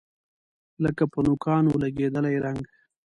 لکه په نوکانو لګیدلی رنګ